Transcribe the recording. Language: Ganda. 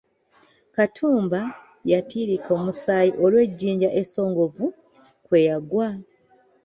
Katumba yatiriika omusaayi olw’ejjinja essongovu kwe yagwa.